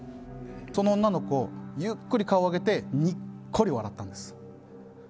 その女の子、ゆっくり顔を上げてにっこり笑ったんです。